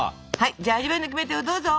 じゃあ味わいのキメテをどうぞ！